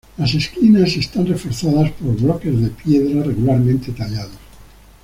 Las esquinas están reforzadas por bloques de piedra regularmente tallados.